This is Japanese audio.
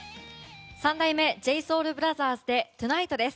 三代目ＪＳＯＵＬＢＲＯＴＨＥＲＳで「ＴＯＮＩＧＨＴ」です。